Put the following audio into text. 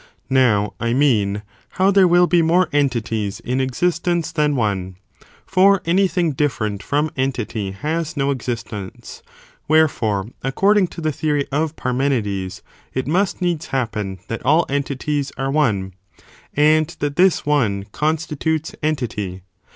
Now, I mean how there will leares it ume be more entities in existence than one. For any "*^ thing different from entity has no existence. Wherefore, according to the theory of Parmenides, it must needs happen that all entities are one, and that this one constitutes entity.